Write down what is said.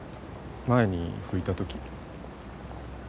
前に吹いた時。